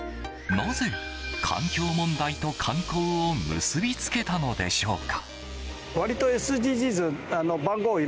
なぜ、環境問題と観光を結び付けたのでしょうか。